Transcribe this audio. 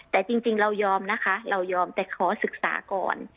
แต่จริงเรายอมนะคะเรายอมแต่ขอศึกษาก่อน